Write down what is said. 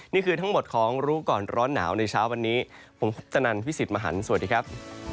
นี่คือทั้งหมดของรู้ก่อนร้อนหนาวในเช้าวันนี้ผมคุปตนันพี่สิทธิ์มหันฯสวัสดีครับ